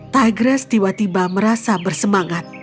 tigress tiba tiba merasa bersemangat